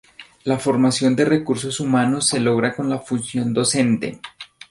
La formación de recursos humanos se logra con la función docente.